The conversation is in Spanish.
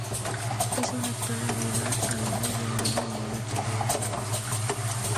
Es un lector ávido, habiendo llegado a leer ocho libros en una semana.